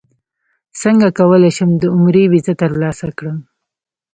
څنګه کولی شم د عمرې ویزه ترلاسه کړم